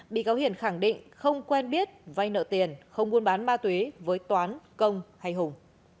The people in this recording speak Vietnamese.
bị cáo hiền khẳng định không quen biết vay nợ tiền không buôn bán ma túy với toán công hay hùng